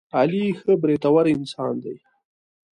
علي ښه برېتور انسان دی.